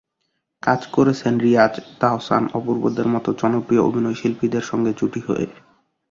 কাজ করেছেন রিয়াজ, তাহসান, অপূর্বদের মতো জনপ্রিয় অভিনয়শিল্পীদের সঙ্গে জুটি হয়ে।